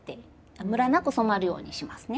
むらなく染まるようにしますね。